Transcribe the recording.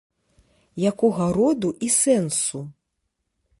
Якога роду і сэнсу?